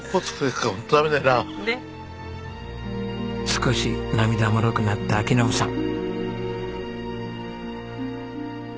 少し涙もろくなった章伸さん。